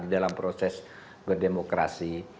dalam proses berdemokrasi